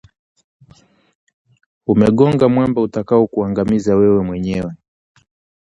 Umegonga mwamba utakaokuangamiza wewe mwenyewe